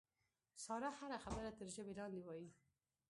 ساره هره خبره تر ژبې لاندې وایي.